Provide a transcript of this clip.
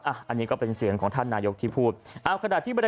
อันนี้ก็เป็นเสียงของท่านนายกที่พูด